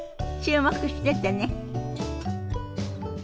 注目しててね。